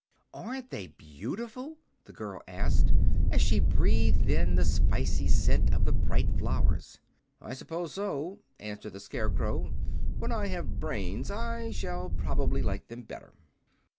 "Aren't they beautiful?" the girl asked, as she breathed in the spicy scent of the bright flowers. "I suppose so," answered the Scarecrow. "When I have brains, I shall probably like them better."